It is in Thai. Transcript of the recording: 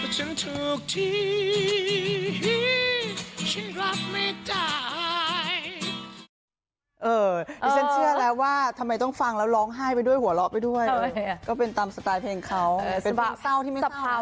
ฉันรับไม่ได้